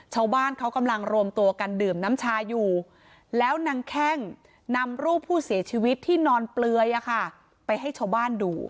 ชาวบ้านเขากำลังรวมตัวกันดื่มน้ำชาอยู่แล้วนางแข้งนำรูปผู้เสียชีวิตที่นอนเปลือยไปให้ชาวบ้านดู